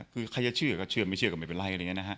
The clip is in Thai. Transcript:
คือใครจะเชื่อก็เชื่อไม่เชื่อก็ไม่เป็นไร